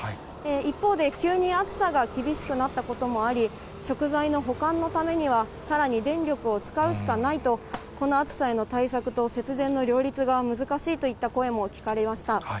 一方で、急に暑さが厳しくなったこともあり、食材の保管のためには、さらに電力を使うしかないと、この暑さへの対策と、節電の両立が難しいといった声も聞かれました。